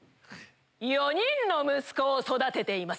４人の息子を育てています。